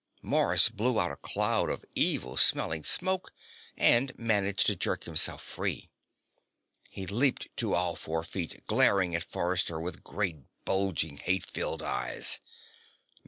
Mars blew out a cloud of evil smelling smoke and managed to jerk himself free. He leaped to all four feet, glaring at Forrester with great, bulging, hate filled eyes.